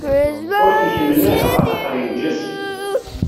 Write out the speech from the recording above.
Ur t-ikemmen ara, axaṭer inǧes.